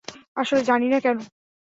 আসলে জানিনা কেন?